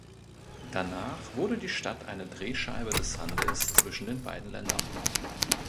Danach wurde die Stadt eine Drehscheibe des Handels zwischen den beiden Ländern.